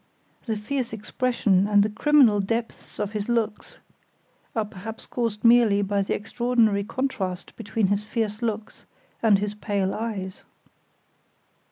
The fierce expression, and the criminal depths of his looks are perhaps caused merely by the extraordinary contrast between his fierce looks and his pale eyes."